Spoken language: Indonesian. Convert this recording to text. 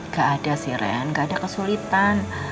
gak ada sih ren gak ada kesulitan